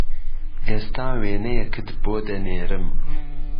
ئێستا وێنەیەکت بۆ دەنێرم